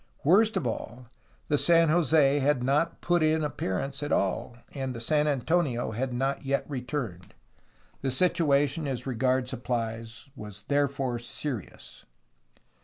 Worst of all the San Jos4 had not put in an appearance at all, and the San Antonio had not yet returned. The situation as regards supplies therefore was serious.